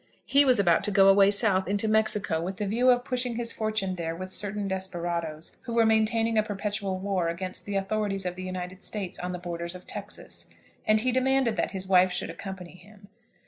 He was about to go away South, into Mexico, with the view of pushing his fortune there with certain desperadoes, who were maintaining a perpetual war against the authorities of the United States on the borders of Texas, and he demanded that his wife should accompany him.